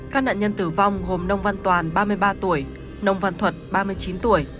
các nạn nhân tử vong gồm nông văn toàn ba mươi ba tuổi nông văn thuật ba mươi chín tuổi